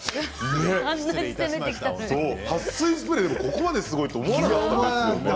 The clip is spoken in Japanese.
はっ水スプレーがここまですごいとは。